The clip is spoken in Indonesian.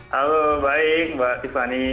halo baik mbak tiffany